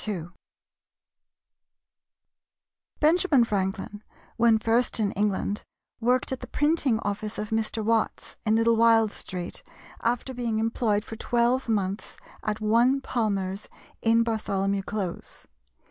Benjamin Franklin, when first in England, worked at the printing office of Mr. Watts, in Little Wild Street, after being employed for twelve months at one Palmer's, in Bartholomew Close.